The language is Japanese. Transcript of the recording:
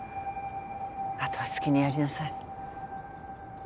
後は好きにやりなさい。